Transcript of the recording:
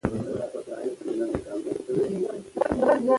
ازادي راډیو د اقتصاد د منفي اغېزو په اړه له کارپوهانو سره خبرې کړي.